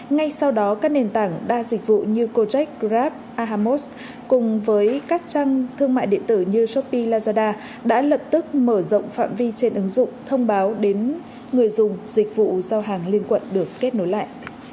ngay sau đó các nền tảng đa dịch vụ như cocheck grab ahammos cùng với các trang thương mại điện tử như shopee lazada đã lập tức mở rộng phạm vi trên ứng dụng thông báo đến người dùng dịch vụ giao hàng liên quận được kết nối lại